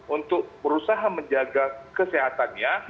untuk berusaha menjaga kesehatan kita